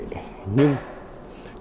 nhưng chúng ta vẫn chưa